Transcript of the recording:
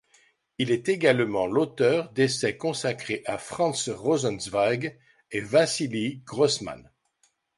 Il est également l'auteur d'essais consacrés à Franz Rosenzweig et Vassili Grossman.